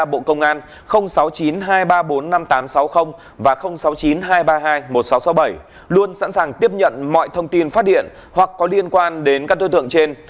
bộ công an sáu mươi chín hai trăm ba mươi bốn năm nghìn tám trăm sáu mươi và sáu mươi chín hai trăm ba mươi hai một nghìn sáu trăm sáu mươi bảy luôn sẵn sàng tiếp nhận mọi thông tin phát điện hoặc có liên quan đến các đối tượng trên